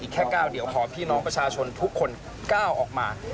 แค่ก้าวเดียวพอพี่น้องประชาชนทุกคนก้าวออกมา